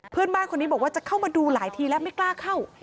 เพื่อนบ้านคนนี้บอกว่าจะเข้ามาดูหลายทีแล้วไม่กล้าเข้า